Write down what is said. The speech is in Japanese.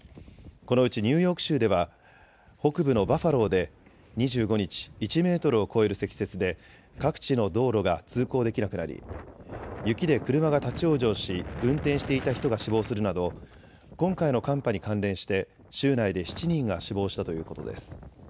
このうちニューヨーク州では北部のバファローで２５日、１メートルを超える積雪で各地の道路が通行できなくなり雪で車が立往生し運転していた人が死亡するなど今回の寒波に関連して州内で７人が死亡したということです。